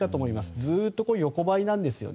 ずっと横ばいなんですよね。